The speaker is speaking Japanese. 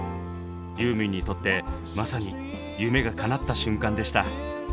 ユーミンにとってまさに夢がかなった瞬間でした。